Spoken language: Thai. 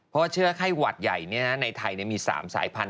เพราะเชื่อไข้วัดใหญ่เนี่ยนะในไทยเนี่ยมี๓สายพันธุ์